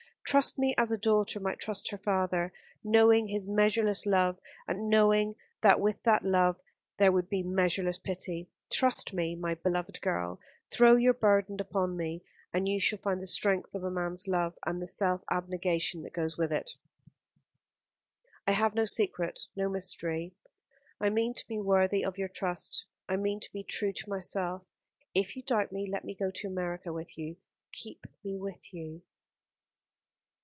Trust me as a daughter might trust her father, knowing his measureless love, and knowing that with that love there would be measureless pity. Trust me, my beloved girl, throw your burden upon me, and you shall find the strength of a man's love, and the self abnegation that goes with it." "I have no secret, no mystery; I mean to be worthy of your trust. I mean to be true to myself. If you doubt me let me go to America with you. Keep me with you."